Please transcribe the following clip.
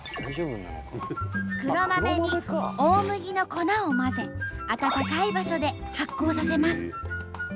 黒豆に大麦の粉を混ぜ暖かい場所で発酵させます。